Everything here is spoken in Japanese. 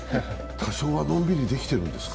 多少はのんびりできているんですか？